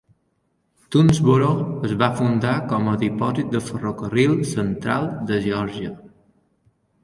Toomsboro es va fundar com a dipòsit de ferrocarril central de Geòrgia.